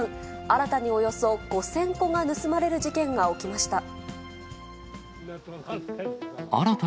新たにおよそ５０００個が盗まれる事件が起きました。